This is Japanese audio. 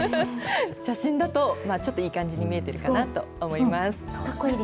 写真だとちょっといい感じに見えてるかなと思います。